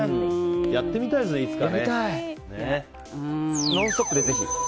やってみたいですね、いつか。